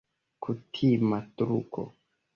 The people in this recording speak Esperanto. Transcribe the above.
Kutima truko.